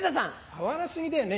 合わな過ぎだよね